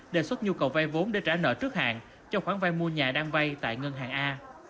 đề xuất nhu cầu vay vốn để trả nợ trước hàng cho khoản vay mua nhà đang vay tại ngân hàng a